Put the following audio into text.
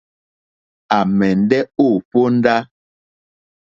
À mɛ̀ndɛ́ ô hwóndá.